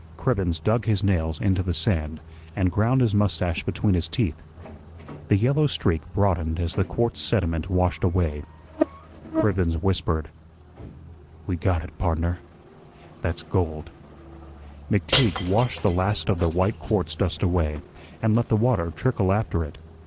Cribbens dug his nails into the sand, and ground his mustache between his teeth. The yellow streak broadened as the quartz sediment washed away. Cribbens whispered: "We got it, pardner. That's gold." McTeague washed the last of the white quartz dust away, and let the water trickle after it.